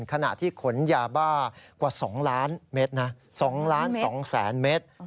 ขณะที่ขนยาบ้ากว่า๒ล้านเมตรนะ๒๒๐๐๐เมตร